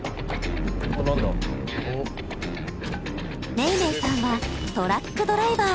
めいめいさんはトラックドライバー。